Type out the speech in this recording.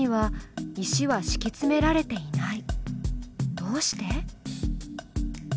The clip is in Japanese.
どうして？